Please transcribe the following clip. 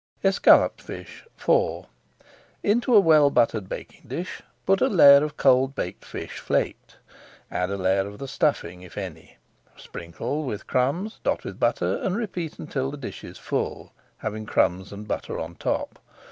ESCALLOPED FISH IV Into a well buttered baking dish put a layer of cold baked fish flaked. Add a layer of the stuffing, if any, sprinkle with [Page 466] crumbs, dot with butter, and repeat until the dish is full, having crumbs and butter on top.